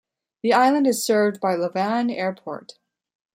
The island is served by Lavan Airport.